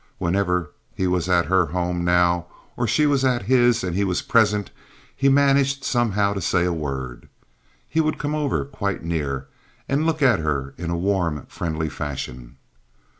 Whenever he was at her home now, or she was at his and he was present, he managed somehow to say a word. He would come over quite near and look at her in a warm friendly fashion.